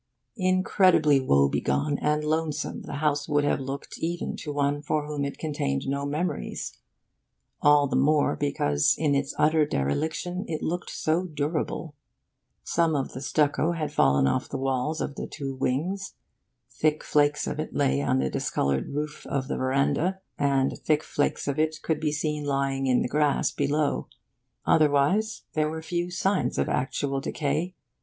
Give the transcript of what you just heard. Incredibly woebegone and lonesome the house would have looked even to one for whom it contained no memories; all the more because in its utter dereliction it looked so durable. Some of the stucco had fallen off the walls of the two wings; thick flakes of it lay on the discoloured roof of the veranda, and thick flakes of it could be seen lying in the grass below. Otherwise, there were few signs of actual decay.